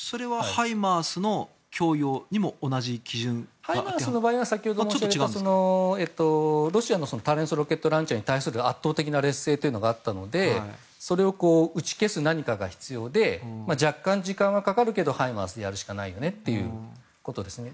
ハイマースの場合はロシアの多連装ロケットランチャーに対する圧倒的な劣勢というのがあったのでそれを打ち消す何かが必要で若干、時間はかかるけどハイマースでやるしかないよねということですね。